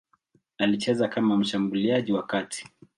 Alicheza kama mshambuliaji wa kati.